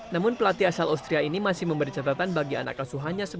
namun pelatih asal austria ini masih memberi catatan bagi anak asuhannya